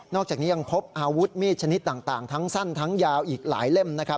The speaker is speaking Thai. อกจากนี้ยังพบอาวุธมีดชนิดต่างทั้งสั้นทั้งยาวอีกหลายเล่มนะครับ